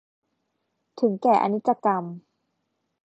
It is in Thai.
ถึงแก่อนิจกรรม